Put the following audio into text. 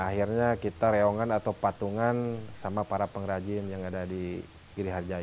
akhirnya kita reongan atau patungan sama para pengrajin yang ada di kiri harjaya